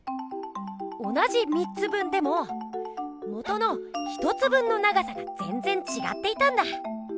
同じ３つ分でももとの１つ分の長さがぜんぜんちがっていたんだ。